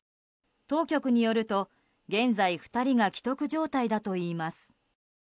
当局によると現在、２人が危篤状態だといいます。